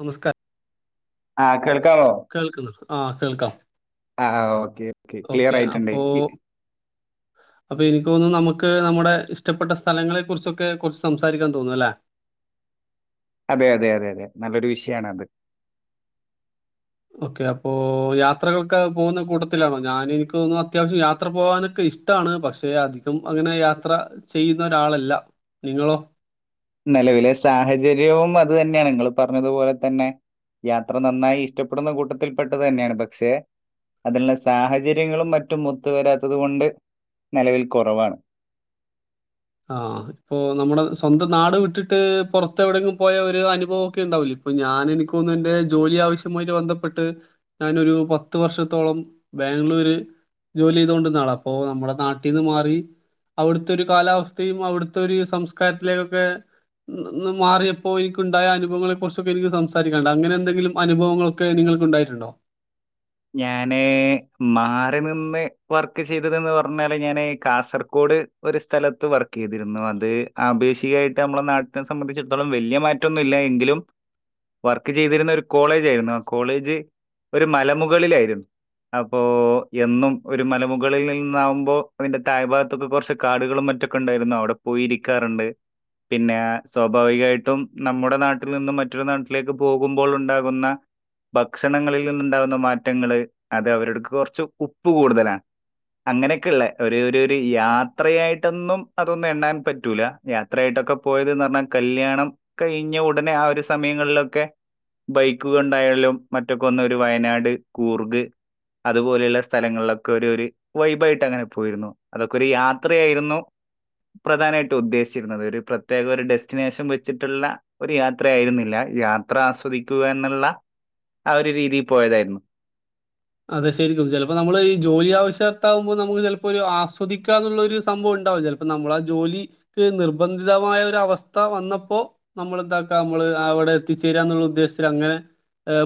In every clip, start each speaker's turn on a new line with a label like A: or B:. A: നമസ്കാ
B: രം കേൾക്കാവോ
A: ആ കേൾക്കാം
B: ആ ഓക്കേ ഓക്കേ ക്ലിയർ
A: ഓക്കെ
B: ആയിട്ടുണ്ട്
A: അപ്പോ അപ്പൊ എനിക്ക് തോന്നുന്നു നമുക്ക് നമ്മുടെ ഇഷ്ടപ്പെട്ട സ്ഥലങ്ങളെ കുറിച്ചൊക്കെ കുറച്ച് സംസാരിക്കാൻ തോന്നും അല്ലേ
B: അതെ അതെ അതെ അതെ നല്ലൊരു വിഷയണ അത്
A: ഓക്കെ അപ്പോ യാത്രകളൊക്കെ പോകുന്ന കൂട്ടത്തിലാണോ ഞാൻ എനിക്ക് തോന്നുന്നു അത്യാവശ്യം യാത്ര പോവാനൊക്കെ ഇഷ്ടമാണ് പക്ഷെ അധികം അങ്ങനെ യാത്ര ചെയ്യുന്ന ഒരാളല്ല നിങ്ങളോ
B: നിലവിലെ സാഹചര്യവും അത് തന്നെയാണ് നിങ്ങൾ പറഞ്ഞതുപോലെ തന്നെ യാത്ര നന്നായി ഇഷ്ടപ്പെടുന്ന കൂട്ടത്തിൽ പെട്ടത് തന്നെയാണ് പക്ഷെ അതിനുള്ള സാഹചര്യങ്ങളും മറ്റും ഒത്ത് വരാത്തത് കൊണ്ട് നിലവിൽ കുറവാണ്
A: ആ ഇപ്പൊ നമ്മുടെ സ്വന്തം നാട് വിട്ടിട്ട് പുറത്തെ എവിടെയെങ്കിലും പോയ ഒരു അനുഭവൊക്കെ ഉണ്ടാവില്ല ഇപ്പൊ ഞാൻ എനിക്കൊന്ന എൻന്റെ ജോലി ആവശ്യമായിട്ട് ബന്ധപ്പെട്ട് ഞാനൊരു പത്ത് വർഷത്തോളം ബാംഗ്ലൂര് ജോലി ചെയ്ത കൊണ്ടിന്നാണ് അപ്പൊ നമ്മുടെ നാട്ടിൽന്ന് മാറി അവിടുത്തെ ഒരു കാലാവസ്ഥ ഇയും അവിടുത്തെ ഒരു സംസ്കാരത്തിലേക്കൊക്കെ മാറിയപ്പോ എനിക്ക ഉണ്ടായ അനുഭവങ്ങളെ കുറിച്ചൊക്കെ എനിക്ക് സംസാരിക്കണ്ട അങ്ങനെ എന്തെങ്കിലും അനുഭവങ്ങളൊക്കെ നിങ്ങൾക്ക് ഉണ്ടായിട്ടുണ്ടോ
B: ഞാന് മാറി നിന്ന് വർക്ക് ചെയ്തത്ന്ന് പറഞ്ഞാല് ഞാൻ കാസർകോഡ് ഒരു സ്ഥലത്ത് വർക്ക് ചെയ്തിരുന്നു അത് അഭേക്ഷികായിട്ട് നമ്മളെ നാട്ടിനെ സംബന്ധിച്ചിടത്തോളം വലിയ മാറ്റമൊന്നുമില്ല എങ്കിലും വർക്ക് ചെയ്തിരുന്ന ഒരു കോളേജ ആയിരുന്നു ആ കോളേജ് ഒരു മലമുഖ മുകളിലായിരുന്നു അപ്പോൾ എന്നും ഒരു മലമുകളിൽ നിന്നാകുമ്പോ അതിന്റെ തായ് ഭാഗത്തൊക്കെ കുറച്ച് കാടുകളും മറ്റൊക്കെ ഉണ്ടായിരുന്നു അവിടെ പോയി ഇരിക്കാറുണ്ട് പിന്നെ സ്വാഭാവികമായിട്ടും നമ്മുടെ നാട്ടിൽ നിന്നും മറ്റൊരു നാട്ടിലേക്ക് പോകുമ്പോൾ ഉണ്ടാകുന്ന ഭക്ഷണങ്ങളിൽ നിന്നുണ്ടാകുന്ന മാറ്റ മാറ്റങ്ങള് അത് അവരടുക്ക് കുറച്ച് ഉപ്പ് കൂടുതലാണ് അങ്ങനെയൊക്കെള്ളേ ഒരു ഒരു യാത്രയായിട്ടൊന്നും അതൊന്നും എണ്ണാൻ പറ്റൂല യാത്രയായിട്ടൊക്കെ പോയത്ന്ന് പറഞ്ഞാൽ കല്യാണം കഴിഞ്ഞ ഉടനെ ആ ഒരു സമയങ്ങളിലൊക്കെ ബൈക്ക് കൊണ്ടായാലും മറ്റൊക്കെ ഒന്ന ഒരു വയനാട് കൂർഗ് അതുപോലെയുള്ള സ്ഥലങ്ങളിലൊക്കെ ഒരു ഒരു വൈബ ആയിട്ട് അങ്ങനെ പോയിരുന്നു അതൊക്കെ ഒരു യാത്രയായിരുന്നു പ്രധാനമായിട്ട് ഉദ്ദേശിച്ചിരുന്നത് ഒരു പ്രത്യേക ഒരു ഡെസ്റ്റിനേഷൻ വെച്ചിട്ടുള്ള ഒരു യാത്ര ആയിരുന്നില്ല യാത്ര ആസ്വദിക്കുക എന്നുള്ള ആ ഒരു രീതിയിൽ പോയതായിരുന്നു
A: അതെ ശരിക്കും ചിലപ്പോ നമ്മള് ഈ ജോലി ആവശ്യകർത്താവുമ്പോൾ നമുക്ക് ചിലപ്പോ ഒരു ആസ്വദിക്കാ എന്നുള്ള ഒരു സംഭവം ഉണ്ടാവും ചിലപ്പോ നമ്മൾ ആ ജോലിക്ക് നിർബന്ധിതമായ ഒരു അവസ്ഥ വന്നപ്പോ നമ്മൾ എന്താക്കാം നമ്മള് അവിടെ എത്തിച്ചേരാന്നുള്ള ഉദ്ദേശത്തിൽ അങ്ങനെ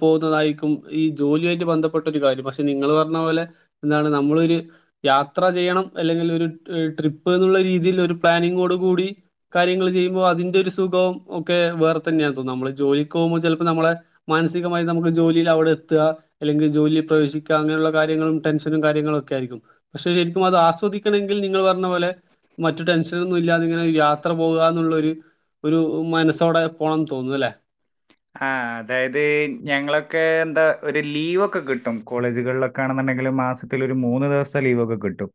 A: പോകുന്നതായിരിക്കും ഈ ജോലിയായിട്ട് ബന്ധപ്പെ ഒരു കാര്യം പക്ഷെ നിങ്ങൾ പറഞ്ഞ പോലെ എന്താണ് നമ്മളൊ ഒരു യാത്ര ചെയ്യണം അല്ലെങ്കിൽ ഒരു ട്രിപ്പ് എന്നുള്ള രീതിൽ ഒരു പ്ലാനിങ്ങോട് കൂടി കാര്യങ്ങൾ ചെയ്യുമ്പോൾ അതിന്റെ ഒരു സുഖം ഒക്കെ വേറെ തന്നെയാ തോന്നും നമ്മള് ജോലിക്ക് പോകുമ്പോൾ ചിലപ്പോൾ നമ്മളെ മാനസികമായി നമുക്ക് ജോലിയിൽ അവിടെ എത്തുക അല്ലെങ്കിൽ ജോലിയി പ്രവശിക്കുക അങ്ങനെയുള്ള കാര്യങ്ങളും ടെൻഷനും കാര്യങ്ങളും ഒക്കെ ആയിരിക്കും പക്ഷെ ശരിക്കും അത് ആസ്വദിക്കണമെങ്കിൽ നിങ്ങൾ പറഞ്ഞ പോലെ മറ്റു ടെൻഷനൊന്നും ഇല്ലാതെ ഇങ്ങനെ യാത്ര പോകുകന്നുള്ള ഒരു മനസ്സോടെ പോണംന്ന് തോന്നും അല്ലെ
B: ആഹ അതായത് ഞങ്ങളൊക്കെ എന്താ ഒരു ലീവൊക്കെ കിട്ടും കോളേജുകളിലൊക്കെ ആണെന്നുണ്ടെങ്കില് മാസത്തില ഒരു മൂന്ന് ദിവസത്തെ ലീവൊക്കെ കിട്ടും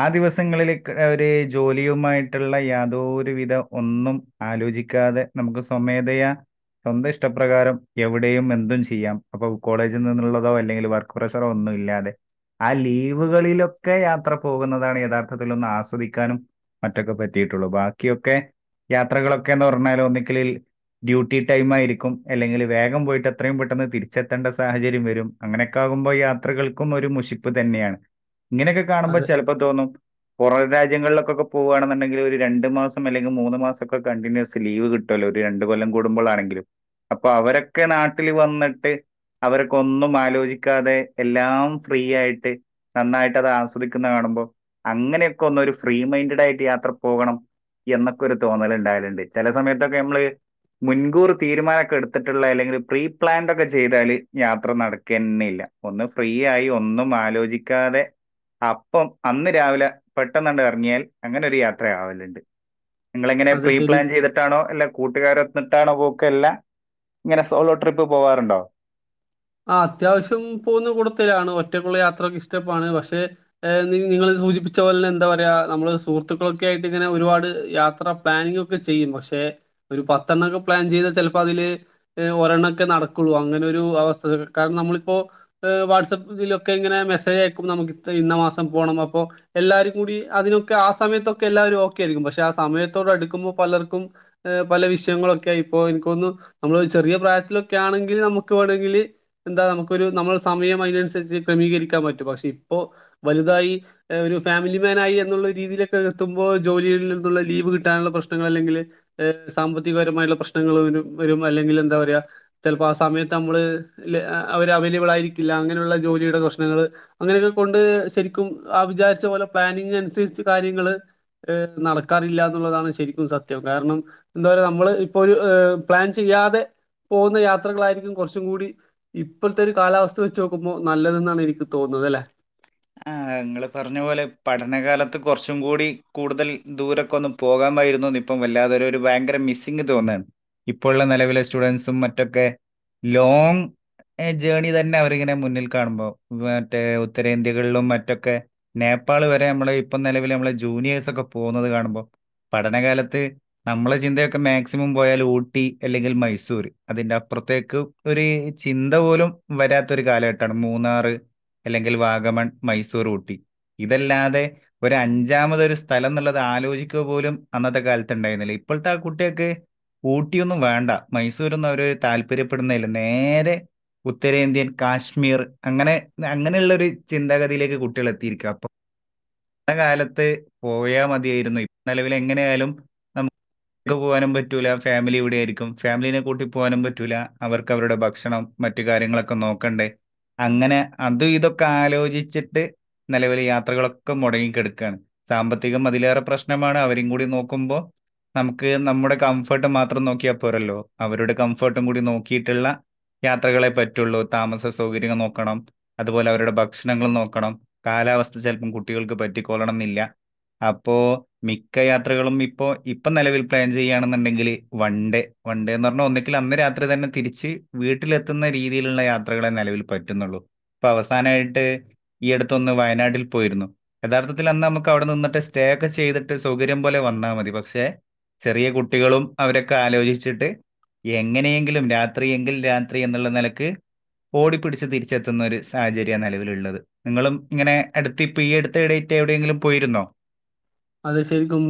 B: ആ ദിവസങ്ങളിൽ ഒരു ജോലിയുമായിട്ടുള്ള യാതൊരു വിധ ഒന്നും ആലോചിക്കാതെ നമുക്ക് സ്വമേധയാ സ്വന്തം ഇഷ്ടപ്രകാരം എവിടെയും എന്തും ചെയ്യാം അപ്പൊ കോളേജിൽ നിന്നുള്ളതോ അല്ലെങ്കിൽ വർക്ക് പ്രഷറോ ഒന്നും ഇല്ലാതെ ആ ലീവുകളിലൊക്കെ യാത്ര പോകുന്നതാണ് യഥാർത്ഥത്തിൽ ഒന്ന് ആസ്വദിക്കാനും മറ്റൊക്കെ പറ്റിയിട്ടുള്ളൂ ബാക്കിയൊക്കെ യാത്രകളൊക്കെന്ന് പറഞ്ഞാൽ ഒന്നിക്ക ഡ്യൂട്ടി ടൈം ആയിരിക്കും അല്ലെങ്കിൽ വേഗം പോയിട്ട് അത്രയും പെട്ടെന്ന് തിരിച്ചെത്തേണ്ട സാഹചര്യം വരും അങ്ങനെയൊക്കെ ആകുമ്പോൾ യാത്രകൾക്കും ഒരു മുഷിപ്പ് തന്നെയാണ് ഇങ്ങനെയൊക്കെ കാണുമ്പോ
A: അതെ
B: ചിലപ്പോ തോന്നും പുറ രാജ്യങ്ങളിലൊക്കെ പോകവാണെന്നുണ്ടെങ്കിൽ ഒരു രണ്ട് മാസം അല്ലെങ്കിൽ മൂന്ന് മാസംമൊക്കെ കണ്ടിന്യൂസ് ലീവ് കിട്ടുമല്ലോ ഒരു രണ്ട് കൊല്ലം കൂടുമ്പോളാണെങ്കിൽ അപ്പൊ അവരൊക്കെ നാട്ടിൽ വന്നിട്ട് അവരൊക്ക ഒന്നും ആലോചിക്കാതെ എല്ലാം ഫ്രീ ആയിട്ട് നന്നായിട്ട് അത് ആസ്വദിക്കുന്ന കാണുമ്പോൾ അങ്ങനെയൊക്കെ ഒന്ന ഒരു ഫ്രീ മൈൻഡഡ് ആയിട്ട് യാത്ര പോകണം എന്നൊക്കെ ഒരു തോന്നൽ ഉണ്ടായലുണ്ട് ചില സമയത്തൊക്കെ നമ്മള് മുൻകൂർ തീരുമാനംമൊക്കെ എടുത്തിട്ടുള്ള അല്ലെങ്കിൽ പ്രീപ്ലാൻഡ ഒക്കെ ചെയ്താല് യാത്ര നടക്ക തന്നെ ഇല്ല ഒന്ന് ഫ്രീ ആയി ഒന്നും ആലോചിക്കാതെ അപ്പം അന്ന് രാവിലെ പെട്ടെന്നണ്ട് ഇറങ്ങിയാൽ അങ്ങനെ ഒരു യാത്രയാവലുണ്ട് നിങ്ങള എങ്ങനെ
A: അതെ ശരി
B: പ്രീപ്ലാൻ ചെയ്തിട്ടാണോ അല്ല കൂട്ടുകാരോ എന്നട്ടണ പോ ക്കല്ല ഇങ്ങനെ സോളോ ട്രിപ്പ് പോവാറുണ്ടോ
A: ആ അത്യാവശ്യം പോകുന്ന കൂട്ടത്തിലാണ് ഒറ്റക്കുള്ള യാത്രയൊക്കെ ഇഷ്ടപ്പാണ് പക്ഷെ നിങ്ങൾ സൂചിപ്പിച്ച പോലെന്നെ എന്താ പറയാ നമ്മള് സുഹൃത്തുക്കളൊക്കെ ആയിട്ട് ഇങ്ങനെ ഒരുപാട് യാത്ര പ്ലാനിങ്ങ ഒക്കെ ചെയ്യും പക്ഷെ ഒരു പത്ത് എണ്ണംക്കെ പ്ലാൻ ചെയ്താ ചിലപ്പോ അതില് ഒരെണ്ണംമൊക്കെ നടക്കുള്ളു അങ്ങനെ ഒരു അവസ്ഥ കാരണം നമ്മളിപ്പോൾ വാട്സപ്പിലൊക്കെ ഇങ്ങനെ മെസ്സേജ് അയക്കുമ്പ നമുക്ക് ഇന്ന മാസം പോകണം അപ്പോൾ എല്ലാവരും കൂടി അതിനൊക്കെ ആ സമയത്തൊക്കെ എല്ലാവരും ഓക്കൊയിരിക്കും പക്ഷെ ആ സമയത്തോടടുക്കുമ്പോൾ പലർക്കും പല വിഷയങ്ങളൊക്കെ ഇപ്പോൾ എനക്ക്തോന്നുന്നു നമ്മൾ ചെറിയ പ്രായത്തിലൊക്കെ ആണെങ്കിൽ നമുക്ക് വേണമെങ്കിൽ എന്താ നമുക്കൊരു നമ്മൾ സമയം അതിനനുസരിച്ച് ക്രമീകരിക്കാൻ പറ്റും പക്ഷെ ഇപ്പോ വലുതായി ഒരു ഫാമിലിമാൻ ആയി എന്നുള്ള രീതിയിലൊക്കെ എത്തുമ്പോ ജോലിയിൽ നിന്നുള്ള ലീവ് കിട്ടാനുള്ള പ്രശ്നങ്ങൾ അല്ലെങ്കിൽ സാമ്പത്തികപരമായിട്ടുള്ള പ്രശ്നങ്ങൾ വരും അല്ലെങ്കിൽ എന്താ പറയാ ചിലപ്പോ ആ സമയത്ത് നമ്മള് അവര് അവൈലബിൾ ആയിരിക്കില്ല അങ്ങനെയുള്ള ജോലിയുടെ പ്രശ്നങ്ങൾ അങ്ങനെയൊക്കെ കൊണ്ട് ശരിക്കും ആ വിചാരിച്ച പോലെ പ്ലാനിങ്ങ അനുസരിച്ച് കാര്യങ്ങൾ നടക്കാറില്ല എന്നുള്ളതാണ് ശരിക്കും സത്യം കാരണം എന്താ പറയുക നമ്മള് ഇപ്പൊ ഒരു പ്ലാൻ ചെയ്യാതെ പോകുന്ന യാത്രകളായിരിക്കും കുറച്ചും കൂടി ഇപ്പോഴത്തെ ഒരു കാലാവസ്ഥ വെച്ച് നോക്കുമ്പോ നല്ലതെന്നാണ് എനിക്ക് തോന്നുന്നത് അല്ലെ
B: ആ് ങ്ങള് പറഞ്ഞ പോലെ പഠനകാലത്ത് കുറച്ചും കൂടി കൂടുതൽ ദൂരൊക്കെ ഒന്നും പോകാമായിരുന്നുന്ന് ഇപ്പം വല്ലാതെ ഒരു ഭയങ്കര മിസ്സിങ്ങ് തോന്നാണ് ഇപ്പോഴുള്ള നിലവിലെ സ്റ്റുഡന്റ്സും മറ്റൊക്കെ ലോ ജേർണി തന്നെ അവരിങ്ങനെ മുന്നിൽ കാണുമ്പോ മറ്റേ ഉത്തരേന്ത്യ യിലും മറ്റൊക്കെ നേപ്പാൾ വരെ നമ്മള ഇപ്പം നിലവിൽ നമ്മള ജൂനിയേഴസ് ഒക്കെ പോകുന്നത് കാണുമ്പോൾ പഠനകാലത്ത് നമ്മളെ ചിന്തയൊക്കെ മാക്സിമം പോയാൽ ഊട്ടി അല്ലെങ്കിൽ മൈസൂർ അതിന്റെ അപ്പുറത്തേക്ക് ഒരു ചിന്ത പോലും വരാത്ത ഒരു കാലഘട്ടാണ് മൂന്നാറ് അല്ലെങ്കിൽ വാഗമൺ മൈസൂർ ഊട്ടി ഇതല്ലാതെ ഒരഞ്ചാമതൊരു സ്ഥലം എന്നുള്ളത് ആലോചിക്കുക പോലും അന്നത്തെ കാലത്ത് ഉണ്ടായിരുന്നില്ല ഇപ്പോഴത്തെ ആ കുട്ടികൾക്ക് ഊട്ടിയൊന്നും വേണ്ട മൈസൂർന്ന് അവര താല്പര്യപ്പെടുന്നതില നേരെ ഉത്തരേന്ത്യൻ കാശ്മീർ അങ്ങനെ അങ്ങനെയുള്ളരു ചിന്താഗതിയിലേക്ക് കുട്ടികൾ എത്തിയിരിക്കും അപ്പം ആ കാലത്ത് പോയാ മതിയായിരെന്നു നെലവിൽ എങ്ങനെ ആയാലും നമ പോകാനും പറ്റൂല്ലാ ഫാമിലി ഇവടെ ആരിക്കും ഫാമിലിനെ കൂട്ടി പോകാനും പറ്റൂല്ലാ അവർക്ക് അവരടെ ഭക്ഷണം മറ്റ് കാര്യങ്ങളൊക്കെ നോക്കണ്ടേ അങ്ങനെ അതും ഇതൊക്കെ ആലോ ചിച്ചിട്ട് നെലവിലെ യാത്രകളൊക്കെ മെടങ്ങിക്കെട്ക്കയാണ് സാമ്പത്തികം അതിലേറെ പ്രശ്നമാണ് അവരെ കൂടി നോക്ക്മ്പോ നമക്ക് നമ്മടെ കംഫേർട്ട് മാത്രം നോക്കിയാ പോരല്ലോ അവരടെ കംഫേർട്ടും കൂടി നോക്കിയിട്ട്ള്ളോ യാത്രകളെ പറ്റുള്ളൂ താമസ സൗകര്യങ്ങള് നോക്കണം അതുപോലെ അവരടെ ഭ ഭക്ഷണങ്ങള് നോക്കണം കാലാവസ്ഥ ചെലപ്പോം കുട്ടികൾക്ക് പറ്റിക്കൊള്ളണന്നില്ലാ അപ്പോ മിക്ക യാത്രകളും ഇപ്പോ ഇപ്പം നെലവിൽ പ്ലാൻ ചെയ്യുയാണെന്നോണ്ടെങ്കില് വൺ ഡേ വൺണ്ടേന്ന് പറഞ്ഞാ ഒന്നിങ്കില് അന്ന് രാത്രി തന്നെ തിരിച്ച് വീട്ടിലെത്തുന്ന രീതിയിലെള്ള യാത്രകളെ നെലവിൽ പറ്റുന്നേള്ളൂ ഇപ്പം അവസാനയായി ഈ അടുത്തൊന്ന് വയനാട്ടിൽ പോയിരുന്നു യഥാർത്ഥത്തിൽ അന്ന് നമക്ക് അവടെ നിന്നിട്ട് സ്റ്റേ ഒക്കെ ചെയ്തിട്ട് സൗകര്യം പോലെ വന്നാ മതി പക്ഷേ ചെറിയ കുട്ടികളും അവരൊക്കെ ആലോചിച്ചിട്ട് എങ്ങനെയെങ്കിലും രാത്രി എങ്കിൽ രാത്രി എന്നേള്ള നെലക്ക് ഓടിപ്പിടിച്ച് തിരിച്ചെത്തുന്ന ഒര് സാഹചര്യ നെല ള്ളത് നിങ്ങളും ഇങ്ങനെ അടുത്ത് ഇപ്പം ഈ അടുത്ത് ഡേയ്റ്റ് എവടെയെങ്കിലും പോയിരുന്നോ
A: അതെ ശെരിക്കും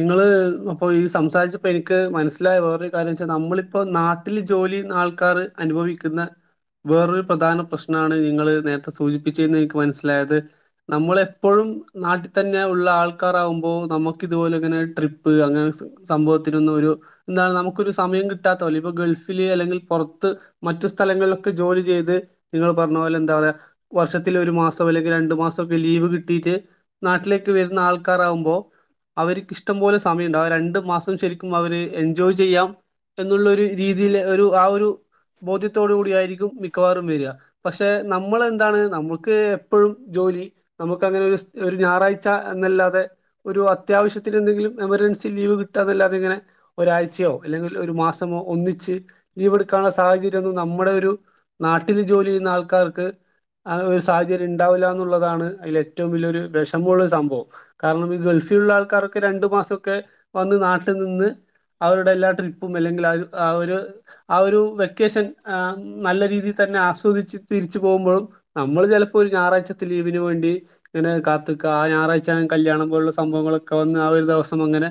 A: നിങ്ങള് അപ്പൊ ഈ സംസാരിച്ചപ്പോ എനക്ക് മനസ്സിലായ വേറൊരു കാര്യ വെച്ചാൽ നമ്മളിപ്പോ നാട്ടില് ജോലി ആൾക്കാാര് അനുഭവിക്കുന്ന വേറൊരു പ്രധാന പ്രശ്നമാണ് നിങ്ങള് നേരത്തെ സൂചിപ്പിച്ചെന്ന് എനിക്ക് മനസ്സിലായത് നമ്മള് എപ്പോഴും നാട്ടി തന്നെ ഒള്ള ആൾ ആൾക്കാറാവുമ്പോ നമക്ക് ഇതുപോലെങ്ങനെ ട്രിപ്പ് അങ്ങനെ സംഭവത്തിനൊന്നും ഒര് എന്താണ് നമക്കൊരു സമയം കിട്ടാത്തപോലെ ഇപ്പൊ ഗൾഫില് അല്ലെങ്കിൽ പൊറത്ത് മറ്റ് സ്ഥലങ്ങളിലൊക്കെ ജോലി ചെയ്ത് നിങ്ങള് പറഞ്ഞ പോലെ എന്താ പറയാ വർഷത്തില് ഒരു മാസം അല്ലെങ്കിൽ രണ്ടു മാസം ഒക്കെ ലീവ് കിട്ടിട്ട് നാട്ടിലേക്ക് വെര്ന്ന ആൾ ക്കറാവുമ്പോ അവര്ക്ക് ഇഷ്ടം പോലെ സമയം ഒണ്ടാവകും രണ്ടു മാസം ശെരിക്കും അവര് എൻജോയ് ചെയ്യാം എന്നോള്ളരു രീതിയില് ഒരു ആ ഒരു ബോധ്യത്തോട് കൂടി ആയിരിക്കും മിക്കവാറും വെരിക പക്ഷെ നമ്മള് എന്താണ് നമ്മക്ക് എപ്പോഴും ജോലി നമക്ക് അങ്ങനെ ഒര് ഒര് ഞായറാഴ്ച എന്നല്ലാ ഒരു അത്യാവശ്യത്തിന് എന്തെങ്കിലും എമർജൻസി ലീവ് കിട്ടുക എന്നല്ലാെ ഇങ്ങനെ ഒരാഴ്ചയോ അല്ലെങ്കിൽ ഒര് മാസമോ ഒന്നിച്ച് ലീവ് എടുക്കെനുള്ള സാഹചര്യം ഒന്നും നമ്മടെ ഒരു നാട്ടില് ജോലി ചെയ്യുന്ന ആൾക്കാർക്ക് ആ ഒരു സാഹചര്യം ഒണ്ടാവില്ല എന്നുള്ളതാണ് അതില് ഏറ്റോം വല്യാ ഒര് വെഷേമൊള്ള സംഭവം കാരണം ഈ ഗൾഫിലെള്ള ആൾക്കാരൊക്കെ രണ്ടു മാസമൊക്കെ വന്ന് നാട്ടി നിന്ന് അവരടെ എല്ലാ ട്രിപ്പും അല്ലെങ്കിൽ ആ ഒരു ആ ഒരു വെക്കേഷൻ നല്ല രീതി തന്നെ ആസ്വദിച്ച് തിരിച്ചു പോകുമ്പോഴും നമ്മൾ ചെലപ്പോ ഒര് ഞായറാഴ്ചത്തെ ലീവിന് വേണ്ടി ഇങ്ങനെ കാത്ത് ആ ഞായറാഴ്ച കല്യാണം പോലുള്ള സംഭവങ്ങളൊക്കെ വന്ന് ആ ഒര് ദെവസം അങ്ങനെ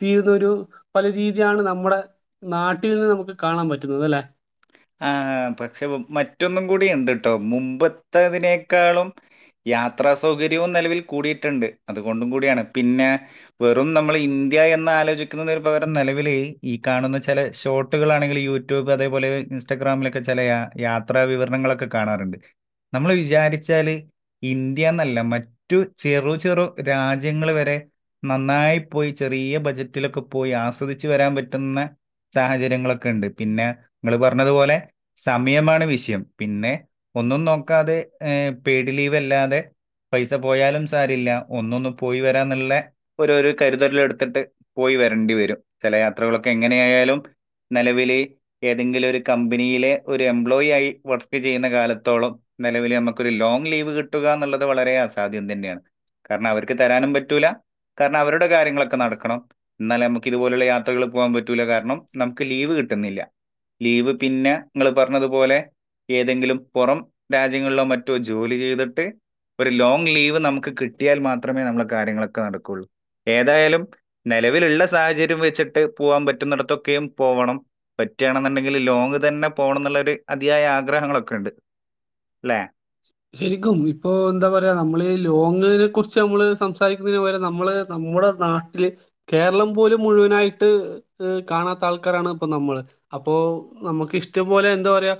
A: തീരുന്നൊ ഒര് പല രീതിയാണ് നമ്മടെ നാട്ടിൽ നിന്ന് നമക്ക് കാണാൻ പറ്റുന്നത് അല്ലെ
B: ആാ പശെ മറ്റൊന്നും കൂടി ഒണ്ട്ട്ടോ മുമ്പത്തെതിനേക്കാളും യാത്രാ സൗകര്യും നെലവിൽ കൂടിട്ടോണ്ട് അതുകൊണ്ടും കൂടിയാണ് പിന്നെ വെറും നമ്മള് ഇന്ത്യാ എന്നാ ആലോചിക്കന്നത് പകരം നെലവില് ഈ കാണുന്ന ചെല ഷോർട്ടുകളാണെങ്കില് യൂട്യൂബ് അതേപോലെ ഇൻറ്റഗ്രാമിലൊക്കെ ചെല യാത്രാ വിവരണങ്ങളൊക്കെ കാണാറെണ്ട് നമ്മള് വിചാരിച്ചാല് ഇന്ത്യ എന്നാല്ല മറ്റു ചെറു ചെറു രാജ്യങ്ങള് വെരെ നന്നായി പോയി ചെറിയ ബജറ്റിലൊക്കെ പോയി ആസ്വദിച്ച് വെരാൻ പറ്റുന്ന സാഹചര്യങ്ങളൊക്കെ ഒണ്ട് പിന്നെ നിങ്ങള് പറ നിക്കാന്നത് പോലെ സമയമാണ് വിഷയം പിന്നെ ഒന്നും നോക്കാതെ യെ പേഡ് ലീവ് അല്ലാതെ പൈസ പോയാലും സാരെല്ലാ ഒന്നൊന്ന് പോയി വെരാന്നെള്ള ഒര് ഒര് കരുതലെ എടുത്തിട്ട് പോയി വെരേണ്ടി വെരും ചെല യാത്രകളൊക്കെ എങ്ങനെയായലും നെലവില് ഏതെങ്കിലും ഒര് കമ്പനിയിലെ ഒര് എംപ്ലോയി ആയി വർക്ക് ചെയ്യുന്ന കാലത്തോളം നെലവില് ഞമക്ക് ഒര് ലോങ് ലീവ് കിട്ടുക എന്നുള്ളത് വളരെ അസാധ്യം തന്നെയാണ് കാരണം അവർക്ക് തെരാനും പറ്റൂല്ലാ കാരണം അവരുടെ കാര്യങ്ങളൊക്കെ നടക്കണം എന്നാലെ നമക്ക് ഇത് പോലെയെള്ള യാത്രകൾ പോകാൻ പറ്റൂല്ലാ കാരണം നമക്ക് ലീവ് കിട്ടുന്നില്ല ലീവ് പിന്നെ ഇങ്ങൾ പർണത് പോലെ ഏതെങ്കിലും പൊറം രാജ്യങ്ങളിലോ മറ്റോ ജോലി ചെയ്തിട്ട് ഒരു ലോങ്ങ് ലീവ് നമ്ക്ക് കിട്ടിയാൽ മാത്രമേ നമ്മളെ കാര്യങ്ങളൊക്കെ നടക്കോള്ളൂ ഏതായാലും നെലവിൽ ഇള്ള സാഹചര്യം വെച്ചിട്ട് പോകാൻ പറ്റുന്നിടത്തൊക്കെയും പോവണം പറ്റാണ് ന്ന്ണ്ടെങ്കിൽ ലോങ് തെന്നെ പോണംന്ന്ള്ളൊര് അതിയായ ആഗ്രഹങ്ങളൊക്കെ ഇണ്ട് ലെ
A: ശെരിക്കും ഇപ്പൊ എന്താ പറയാ നമ്മൾ ലോങ്ങ്നെ കുർച്ച് നമ്മൾ സംസാരിക്കുന്നതിന് പകരം നമ്മൾ നമ്മുടെ നാട്ടിൽ കേരളം പോലും മുഴുവനായിട്ട് ഹ് കാണാത്ത ആൾക്കാരാണ് ഇപ്പം നമ്മൾ അപ്പോ നമ്മക്ക് ഇഷ്ടം പോലെ എന്താ പറയാ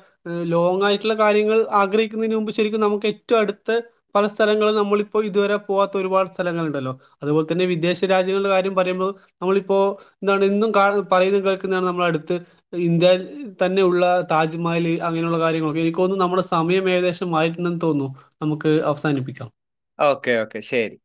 A: ലോങ്ങ് ആയിട്ട്ള്ള കാര്യങ്ങൾ ആഗ്ര ക്ക്ന്നെയിന് മുമ്പ് ശെരിക്കും നമ്മുക്ക് ഏറ്റവും അട്ത്ത് പല സ്ഥലങ്ങളും നമ്മളിപ്പോ ഇതുവരെ പോവാത്ത ഒരുപാട് സ്ഥലങ്ങൾ ഇണ്ടല്ലോ അതുപോലെ തന്നെ വിദേശ രാജ്യങ്ങളുടെ കാര്യം പറയുമ്പോൾ നമ്മളിപ്പോ ന്താണ് എന്നും കാണാ പറയ്ന്ന് കേൾക്ക്ന്നെയാണ് നമ്മളെ അട്ത്ത് ഇന്ത്യയിൽ തന്നെ ഉള്ള താജ്മഹൽ അങ്ങനെ ഉള്ള കാര്യങ്ങളൊക്കെ എനക്ക്തോന്നു നമ്മൾ സമയം മയം ഏകദേശം ആയിട്ടുണ്ടെന്ന് തോന്നുന്നു നമുക്ക് അവസാനിപ്പിക്കാം
B: ഓക്കെ ഓക്കെ ശെരി